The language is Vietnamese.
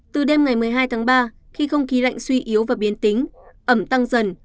từ đêm ngày một mươi hai tháng ba khi không khí lạnh suy yếu và biến tính ẩm tăng dần